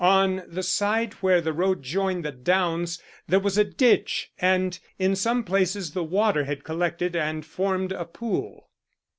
On the side where the road joined the downs there was a ditch, and in some places the water had collected and formed a pool.